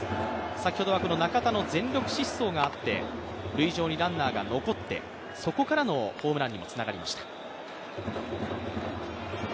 先ほどは中田の全力疾走があって、塁上にランナーが残ってそこからのホームランにもつながりました。